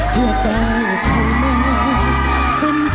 พวกเราเข้ามากว่ันเสร็จ